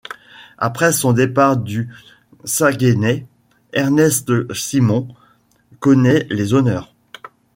Après son départ du Saguenay, Ernest Cimon connaît les honneurs.